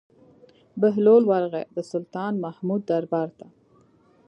بهلول ورغى د سلطان محمود دربار ته.